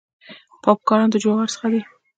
پاپ کارن د جوارو څخه دی.